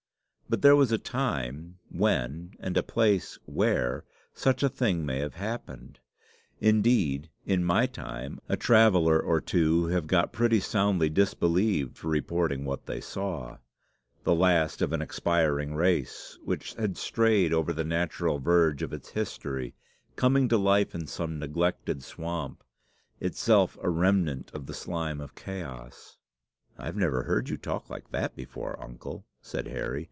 But there was a time when and a place where such a thing may have happened. Indeed, in my time, a traveller or two have got pretty soundly disbelieved for reporting what they saw, the last of an expiring race, which had strayed over the natural verge of its history, coming to life in some neglected swamp, itself a remnant of the slime of Chaos." "I never heard you talk like that before, uncle," said Harry.